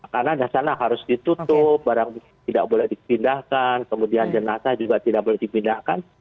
karena ada sana harus ditutup barang tidak boleh dipindahkan kemudian jenazah juga tidak boleh dipindahkan